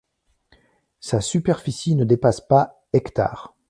Sa superficie ne dépasse pas hectares.